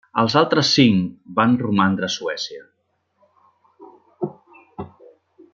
Els altres cinc van romandre a Suècia.